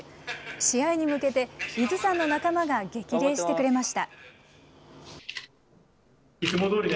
試合に向けて伊豆山の仲間が激励してくれました。